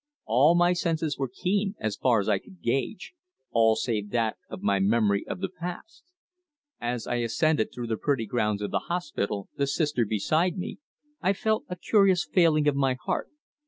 All my senses were keen as far as I could gauge all save that of my memory of the past. As I ascended through the pretty grounds of the hospital, the Sister beside me, I felt a curious failing of my heart.